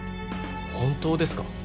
本当ですか？